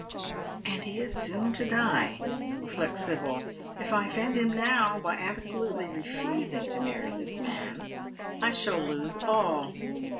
" And he is soon to" die," reflects Sibyl. " If I offend him now by absolutely refusing to marry this man, I shall lose all.